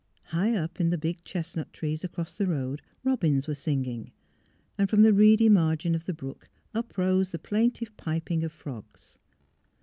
High up in the big chestnut trees across the road robins were singing, and from the reedy margin of the brook uprose the plaintive piping of frogs.